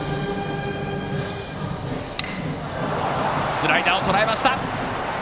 スライダーをとらえました！